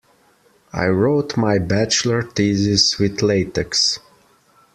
I wrote my bachelor thesis with latex.